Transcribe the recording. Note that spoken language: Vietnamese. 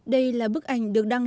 để xem cách hoạt động